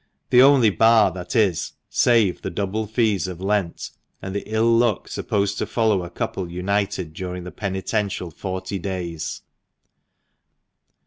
The only bar, that is, save the double fees of Lent, and the " ill luck " supposed to follow a couple united during the penitential forty days.